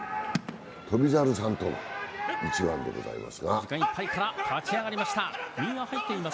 翔猿さんとの一番でございます。